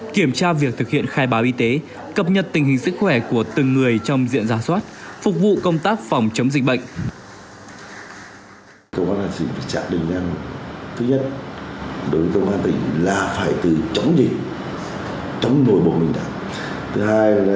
kiểm tra việc thực hiện khai báo y tế cập nhật tình hình sức khỏe của từng người trong diện giả soát phục vụ công tác phòng chống dịch bệnh